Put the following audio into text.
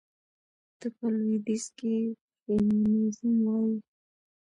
ته په لوىديځ کې فيمينزم وايي.